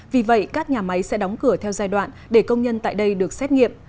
vì vậy các nhà máy sẽ đóng cửa theo giai đoạn để công nhân tại đây được xét nghiệm